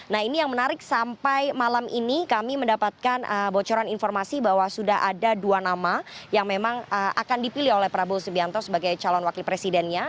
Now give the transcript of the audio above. nah ini yang menarik sampai malam ini kami mendapatkan bocoran informasi bahwa sudah ada dua nama yang memang akan dipilih oleh prabowo subianto sebagai calon wakil presidennya